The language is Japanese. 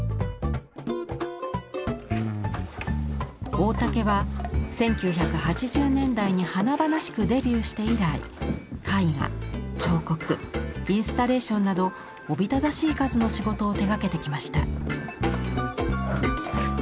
大竹は１９８０年代に華々しくデビューして以来絵画彫刻インスタレーションなどおびただしい数の仕事を手がけてきました。